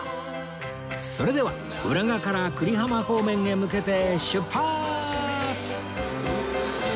それでは浦賀から久里浜方面へ向けて出発！